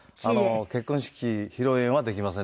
結婚式披露宴はできませんでした。